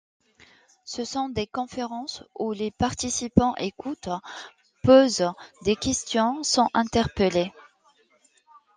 Ce sont des conférences où les participants écoutent, posent des questions, sont interpellés.